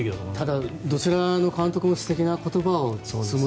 ただ、どちらの監督も素敵な言葉を。